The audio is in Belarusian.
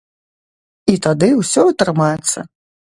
І тады ўсё атрымаецца.